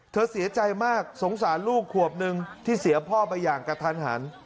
เสียใจมากสงสารลูกขวบนึงที่เสียพ่อไปอย่างกระทันหัน